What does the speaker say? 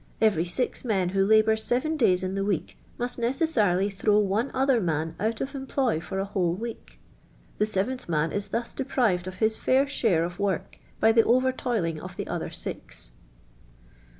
Kvery six men who lalxoir seven days in the week must luKeasjirily liir:>w one other man out of employ for a whole week. The : seventh man is thus deprived of his hiir share of work by the overtoilin:? of the other *ix."